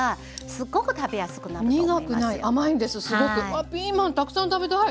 わっピーマンたくさん食べたい！